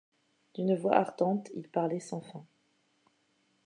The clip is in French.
D’une voix ardente, il parlait sans fin.